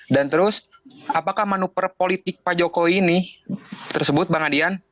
dan terus apakah manuper politik pak jokowi ini tersebut bang adian